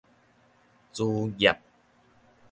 書鋏